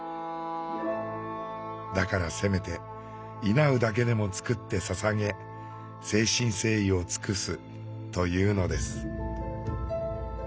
だからせめてイナウだけでも作って捧げ誠心誠意を尽くすというのです。